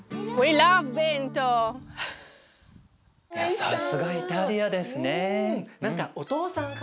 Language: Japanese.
さすがイタリアですね。